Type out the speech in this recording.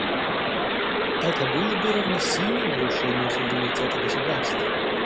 Это было бы равносильно нарушению суверенитета государств.